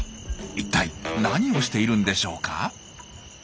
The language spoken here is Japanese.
一体何をしているんでしょうか？